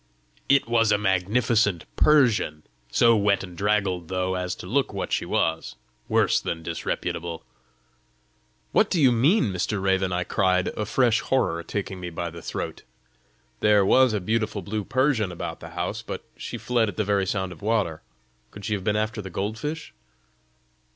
"It was a magnificent Persian so wet and draggled, though, as to look what she was worse than disreputable!" "What do you mean, Mr. Raven?" I cried, a fresh horror taking me by the throat. " There was a beautiful blue Persian about the house, but she fled at the very sound of water! Could she have been after the goldfish?"